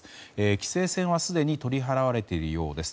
規制線はすでに取り払われているようです。